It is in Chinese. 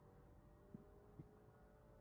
七女湖起义旧址的历史年代为清代。